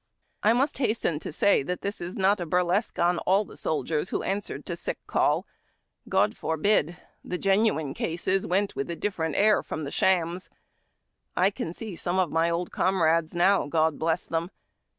I must hasten to say that this is not a bur esque on aZZ the soldiers who answered to sick calL God forbid ! The genuine cases went with a different air from the shams. 1 can see some of my old comrades now, God bless them!